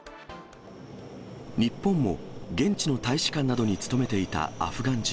日本も現地の大使館などに勤めていたアフガン人